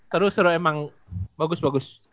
terus seru emang bagus bagus